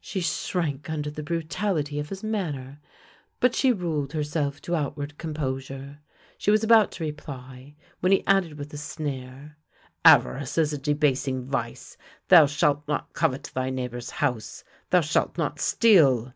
She shrank under the brutality of his manner, but she ruled herself to outward composure. She was about to reply, when he added with a sneer: " Avarice is a debasing vice. Thou shalt not covet thy neigh bour's house! Thou shalt not steal!